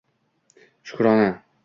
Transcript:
Shukrona